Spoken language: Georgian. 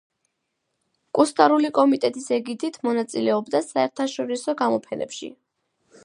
კუსტარული კომიტეტის ეგიდით მონაწილეობდა საერთაშორისო გამოფენებში.